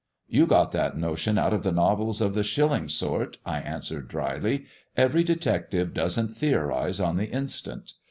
" You got that notion out of novels of the shilling sort," I answered dryly ;" every detective doesn't theorize on the instant.